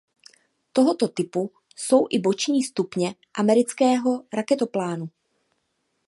Tohoto typu jsou i boční stupně amerického raketoplánu.